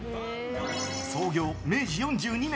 創業明治４２年。